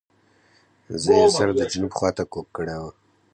زه یې سر د جنوب خواته کوږ کړی وو.